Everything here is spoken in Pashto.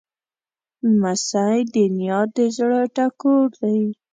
لمسی د نیا د زړه ټکور دی.